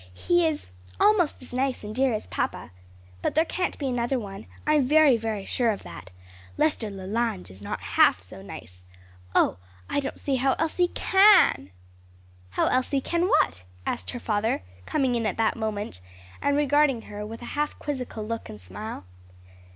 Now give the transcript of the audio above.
he is almost as nice and dear as papa. But there can't be another one, I'm very, every sure of that. Lester Leland is not half so nice. Oh I don't see how Elsie can!" "How Elsie can what?" asked her father, coming in at that moment, and regarding her with a half quizzical look and smile.